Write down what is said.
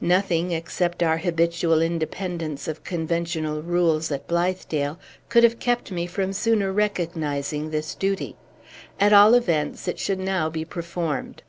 Nothing, except our habitual independence of conventional rules at Blithedale, could have kept me from sooner recognizing this duty. At all events, it should now be performed.